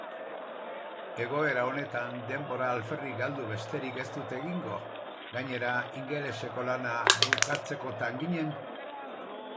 Egoera honetan denbora alferrik galdu besterik ez dut egingo, gainera ingeleseko lana bukatzekotan ginen.